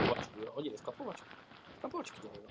To je poznámka číslo jedna.